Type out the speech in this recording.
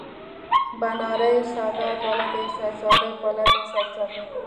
بنارس سادات ولد سیدصادق ولدیت سید سامي